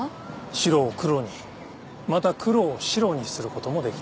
白を黒にまた黒を白にすることもできる。